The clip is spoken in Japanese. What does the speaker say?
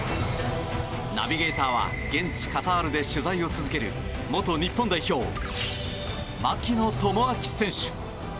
ナビゲーターは現地カタールで取材を続ける元日本代表、槙野智章選手。